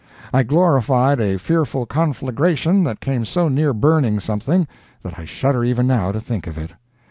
"I glorified a fearful conflagration that came so near burning something, that I shudder even now to think of it.